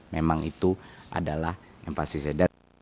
memang itu adalah yang pasti saya datangkan